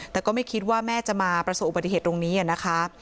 แต่ก็ไม่คิดว่าแม่จะมาประสบอุบัติเหตุตรงนี้นะคะ